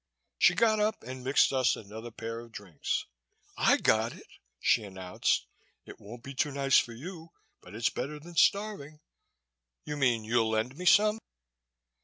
She got up and mixed us another pair of drinks. "I got it," she announced. "It won't be too nice for you but it's better than starving." "You mean you'll lend me some?"